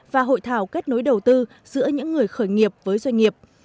và hội thảo kết nối đầu tư giữa những người khởi nghiệp với doanh nghiệp